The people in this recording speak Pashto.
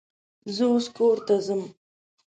زه اوس کور ته ځم